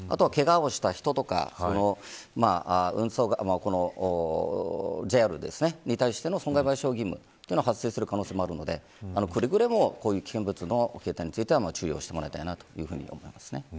けがをした人とかＪＲに対しての損害賠償義務が発生する可能性もあるのでくれぐれも、こういう危険物の携帯については気を付けていただきたいです。